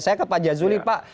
saya ke pak jazuli pak